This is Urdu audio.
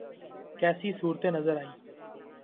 کیسی صورتیں نظر آئیں؟